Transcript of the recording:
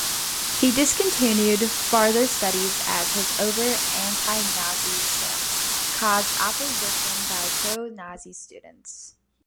He discontinued further studies as his overt anti-Nazi stance caused opposition by pro-Nazi students.